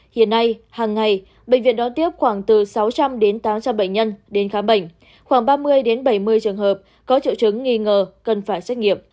hiện nay hàng ngày bệnh viện đón tiếp khoảng từ sáu trăm linh đến tám trăm linh bệnh nhân đến khám bệnh khoảng ba mươi bảy mươi trường hợp có triệu chứng nghi ngờ cần phải xét nghiệm